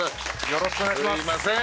よろしくお願いします。